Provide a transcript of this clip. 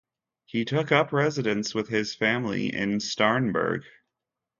He took up residence with his family in Starnberg.